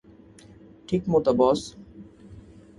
ঠিক মতো বস!